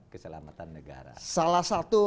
keselamatan negara salah satu